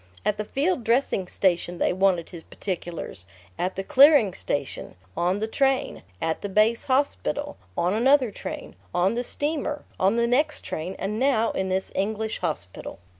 At the field dressing station they wanted his particulars, at the clearing station, on the train, at the base hospital, on another train, on the steamer, on the next train, and now in this English hospital.